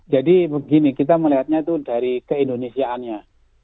jadi begini kita melihatnya itu dari keindonesiaannya